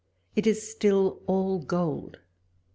It is still all gold.